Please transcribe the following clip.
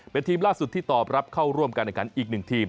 เป็นทีมล่าสุดที่ตอบรับเข้าร่วมกันอีก๑ทีม